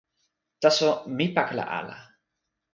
taso mi pakala ala.